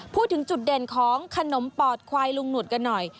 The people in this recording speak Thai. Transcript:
พูดถึงจุดเด่นของขนมปอดควายลุงหนุดกันหน่อย